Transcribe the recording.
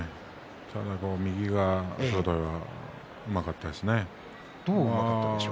ただ右が正代はうまかったですね。